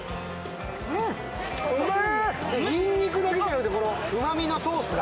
にんにくだけじゃなくて、このうまみのソースが。